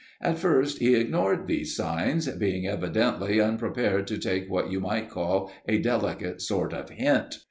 At first he ignored these signs, being evidently unprepared to take what you might call a delicate sort of hint.